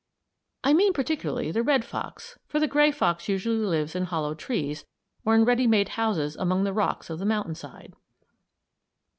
I mean particularly the red fox, for the gray fox usually lives in hollow trees or in ready made houses among the rocks of the mountainside.